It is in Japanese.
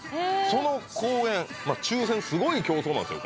その公演まっ抽選すごい競争なんですよ